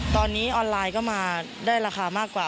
ตอนนี้ออนไลน์ก็มาได้ราคามากกว่า